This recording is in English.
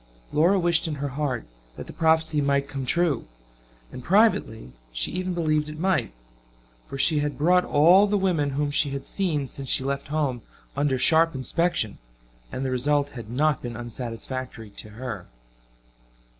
Laura wished in her heart that the prophecy might come true; and privately she even believed it might for she had brought all the women whom she had seen since she left home under sharp inspection, and the result had not been unsatisfactory to her.